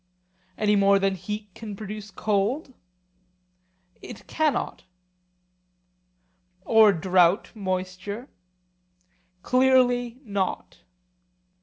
Any more than heat can produce cold? It cannot. Or drought moisture? Clearly not.